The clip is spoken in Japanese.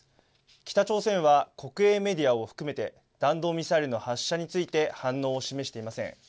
北朝鮮は国営メディアを含めて、弾道ミサイルの発射について反応を示していません。